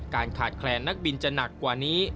การขาดแคลนนักบินจะหนักกว่านี้